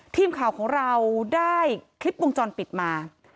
ทีมข่าวของเราได้คลิปวงจรปิดมา